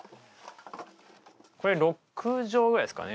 これ、６畳ぐらいですかね。